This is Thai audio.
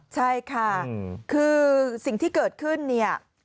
ใช่ค่ะคือสิ่งที่เกิดขึ้นเนี่ย